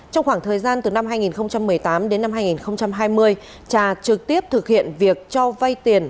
trong khoảng thời gian từ năm hai nghìn một mươi tám đến năm hai nghìn hai mươi trà trực tiếp thực hiện việc cho vay tiền